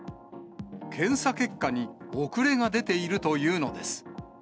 検査結果に、遅れが出ているというのです。